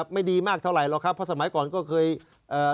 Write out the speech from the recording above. ไม่ดีมากเท่าไหรหรอกครับเพราะสมัยก่อนก็เคยเอ่อ